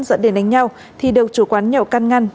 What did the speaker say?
dẫn đến đánh nhau thì được chủ quán nhậu căn ngăn